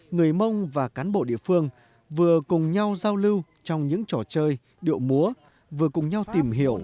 người mông và cán bộ địa phương vừa cùng nhau giao lưu trong những trò chơi điệu múa vừa cùng nhau tìm hiểu